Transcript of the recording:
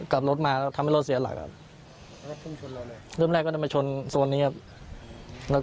กลับรถมาทำรถเสียหลักอ่ะเริ่มแรกก็ได้มาชนส่วนนี้แล้ว